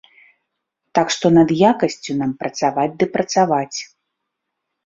Так што над якасцю нам працаваць ды працаваць.